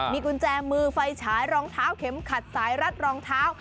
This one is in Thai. มีกุญแจมือไฟฉายรองเท้าเข็มขัดสายรัดรองเท้า